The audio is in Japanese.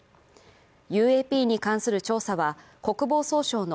ＵＡＰに関する調査は国防総省の